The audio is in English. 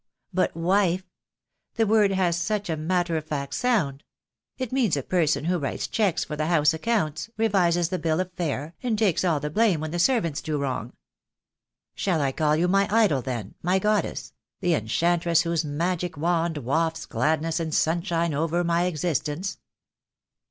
But wife. The word has such a matter of fact sound. It means a person who writes cheques for the house accounts, revises the bill of fare, and takes all the blame when the servants do wrong." "Shall I call you my idol, then, my goddess — the enchantress whose magic wand wafts gladness and sun shine over my existence?"